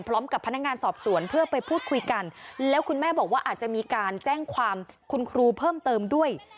พร้อมกับพนักงานสอบสวนเพื่อไปพูดคุยกันแล้วคุณแม่บอกว่าอาจจะมีการแจ้งความคุณครูเพิ่มเติมด้วย